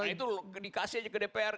karena itu dikasih aja ke dpr